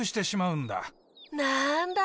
なんだ。